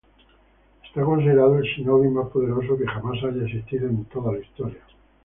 Es considerado el shinobi más poderoso que jamás haya existido en toda la historia.